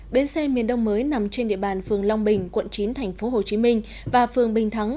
bến xe miền đông mới nằm trên địa bàn phường long bình quận chín tp hcm và phường bình thắng